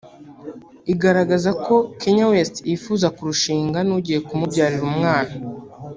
igaragaza ko Kanye West yifuza kurushinga n’ugiye kumubyarira umwana